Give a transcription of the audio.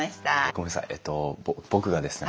ごめんなさいえっと僕がですね